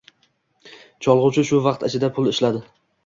Cholgʻuchi shu vaqt ichida pul ishladi